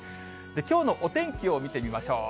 きょうのお天気を見てみましょう。